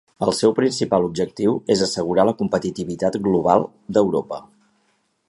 El seu principal objectiu és assegurar la competitivitat global d'Europa.